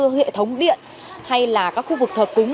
hệ thống điện hay là các khu vực thờ cúng